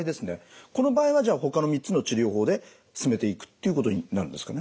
この場合はじゃあほかの３つの治療法で進めていくっていうことになるんですかね？